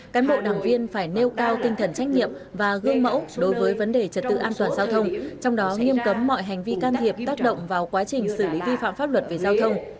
cán bộ đảng viên phải nêu cao tinh thần trách nhiệm và gương mẫu đối với vấn đề trật tự an toàn giao thông trong đó nghiêm cấm mọi hành vi can thiệp tác động vào quá trình xử lý vi phạm pháp luật về giao thông